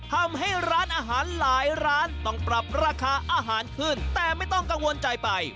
ทำให้ร้านอาหารหลายร้านต้องปรับราคาอาหารขึ้นแต่ไม่ต้องกังวลใจไป